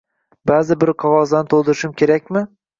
Ba’zi bir qog’ozlarni to’ldirishim kerakmi?